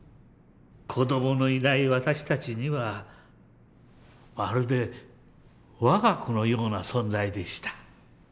子どものいない私たちにはまるで我が子のような存在でした。